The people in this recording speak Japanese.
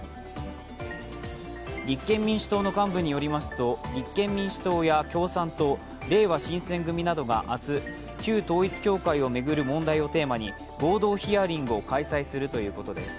立憲民主党の幹部によりますと、立憲民主党や共産党、れいわ新選組などが明日旧統一教会を巡る問題をテーマに合同ヒアリングを開催するということです。